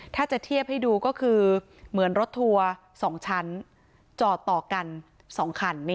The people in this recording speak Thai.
ถ้าจะเทียบให้ดูก็คือเหมือนรถทัวร์๒ชั้นจอดต่อกัน๒คัน